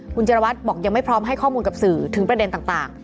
คุณจิรวัตรบอกยังไม่พร้อมให้ข้อมูลกับสื่อถึงประเด็นต่าง